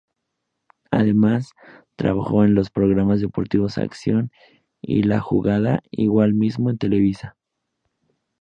Además, trabajó en los programas deportivos Acción y La Jugada, igual mismo en Televisa.